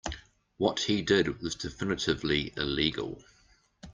What he did was definitively illegal.